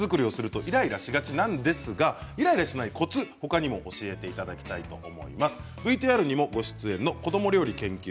親子でおやつ作りをするとイライラしがちなんですがイライラしないコツほかにも教えていただきたいと思います。